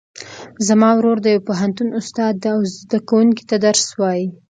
زما ورور د یو پوهنتون استاد ده او زده کوونکو ته درس وایي